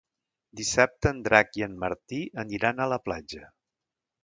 Dissabte en Drac i en Martí aniran a la platja.